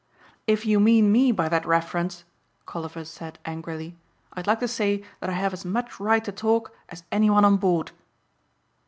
"If you mean me by that reference," Colliver said angrily, "I'd like to say that I have as much right to talk as anyone on board."